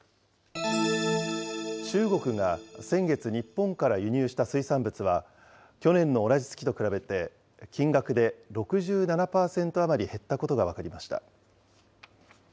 中国が先月、日本から輸入した水産物は、去年の同じ月と比べて金額で６７％余り減ったことが分かりました。